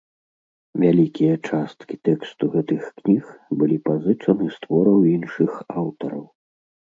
Вялікія часткі тэксту гэтых кніг былі пазычаны з твораў іншых аўтараў.